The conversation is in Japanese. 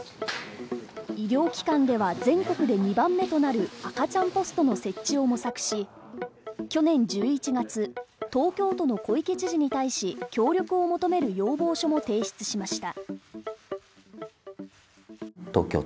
医療機関では全国で２番目となる赤ちゃんポストの設置を模索し去年１１月、東京都の小池知事に対し協力を求める要望書も提出しました。